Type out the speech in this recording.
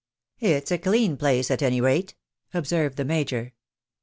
" It's a clean place, at any rate," observed the major.